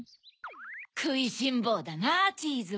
くいしんぼうだなぁチーズは。